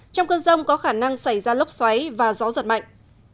trong cơn rông có khả năng xảy ra lốc xoáy và gió giật mạnh